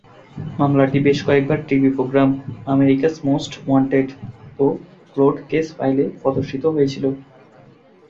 মামলাটি বেশ কয়েকবার TV programme "America's most wanted" ও "কোল্ড কেস ফাইলে" প্রদর্শিত হয়েছিল।